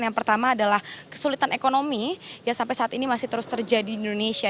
yang pertama adalah kesulitan ekonomi yang sampai saat ini masih terus terjadi di indonesia